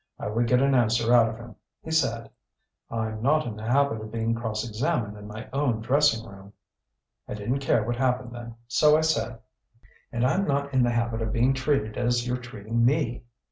I would get an answer out of him. He said: "'I'm not in the habit of being cross examined in my own dressing room.' "I didn't care what happened then, so I said: "'And I'm not in the habit of being treated as you're treating me.